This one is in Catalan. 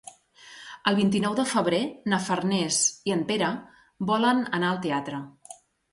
El vint-i-nou de febrer na Farners i en Pere volen anar al teatre.